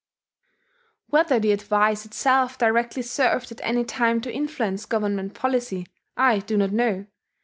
Whether the advice itself directly served at any time to influence government policy, I do not know.